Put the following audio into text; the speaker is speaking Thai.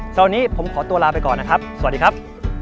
คราวนี้ผมขอตัวลาไปก่อนนะครับสวัสดีครับ